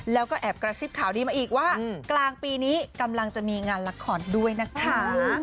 แล้วก็แอบกระซิบข่าวดีมาอีกว่ากลางปีนี้กำลังจะมีงานละครด้วยนะคะ